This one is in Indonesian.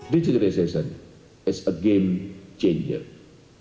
digitalisasi adalah perubahan yang berubah